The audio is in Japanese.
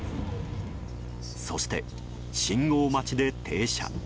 そして、信号待ちで停車。